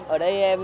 ở đây em